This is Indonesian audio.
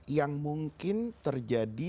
yang mungkin terjadi